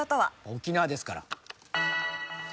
沖縄ですから。